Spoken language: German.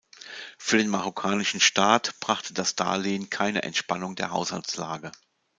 Für den marokkanischen Staat brachte das Darlehen keine Entspannung der Haushaltslage.